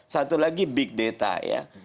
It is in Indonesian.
satu lagi big data ya